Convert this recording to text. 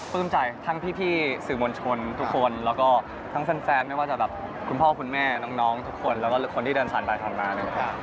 ใจทั้งพี่สื่อมวลชนทุกคนแล้วก็ทั้งแฟนไม่ว่าจะแบบคุณพ่อคุณแม่น้องทุกคนแล้วก็คนที่เดินผ่านไปผ่านมานะครับ